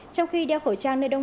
trong khi đeo khẩu trang nơi đông